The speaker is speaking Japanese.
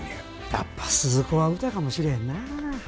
やっぱスズ子は歌かもしれへんなあ。